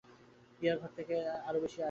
পিয়া ঘর আয়ে তার বেশি আর কী চাই।